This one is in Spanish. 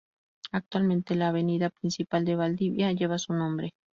Actualmente, la avenida principal de Valdivia lleva su nombre.